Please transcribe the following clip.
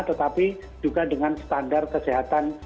tetapi juga dengan standar kesehatan